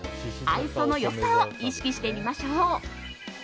愛想の良さを意識してみましょう。